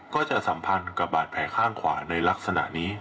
สัมพันธ์กับบาดแผลข้างขวาในลักษณะนี้